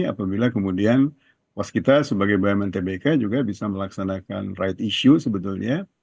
apabila kemudian waskita sebagai bumn tbk juga bisa melaksanakan right issue sebetulnya